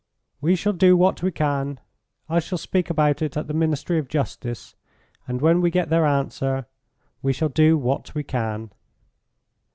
"We shall do what we can. I shall speak about it at the Ministry of Justice, and when we get their answer we shall do what we can."